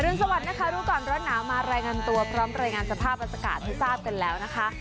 สวัสดีนะคะรู้ก่อนร้อนหนาวมารายงานตัวพร้อมรายงานสภาพอากาศให้ทราบกันแล้วนะคะ